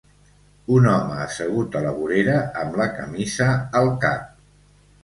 Un home assegut a la vorera amb la camisa al cap.